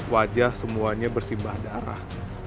wajah semuanya bersimbah darah